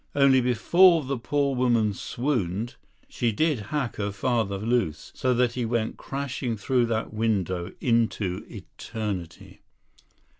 Only before the poor woman swooned, she did hack her father loose, so that he went crashing through that window into eternity."